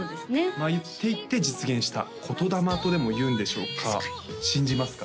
まあ言っていって実現した言霊とでもいうんでしょうか信じますか？